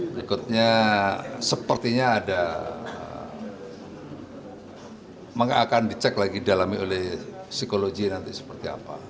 berikutnya sepertinya ada maka akan dicek lagi dalami oleh psikologi nanti seperti apa